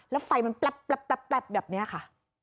แล้วไฟมันแป๊บแบบนี้ค่ะ